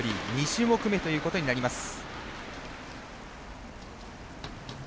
２種目めということになります。